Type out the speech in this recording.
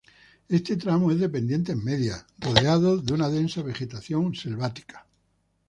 Este tramo es de pendientes medias, rodeado de una densa vegetación selvática.